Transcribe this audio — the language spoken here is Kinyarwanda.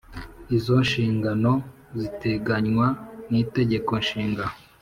Izo nshingano ziteganywa n Itegeko nshinga